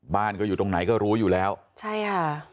บ้านก็อยู่ตรงไหนก็รู้อยู่แล้วใช่ค่ะ